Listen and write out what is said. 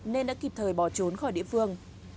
nên đã kịp thời bỏ trốn khỏi địa phương